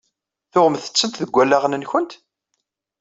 Tuɣemt-tent deg allaɣen-nkent?